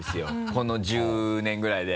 この１０年ぐらいで。